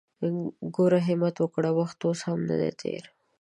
ګوره همت وکړه! وخت اوس هم ندی تېر!